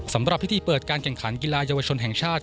สำหรับพิธีเปิดการแข่งขันกีฬาเยาวชนแห่งชาติ